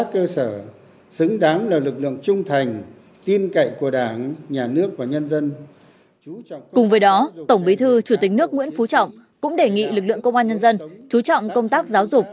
cũng đề nghị lực lượng công an nhân dân chú trọng công tác giáo dục